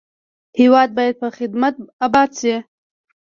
هېواد باید په خدمت اباد شي.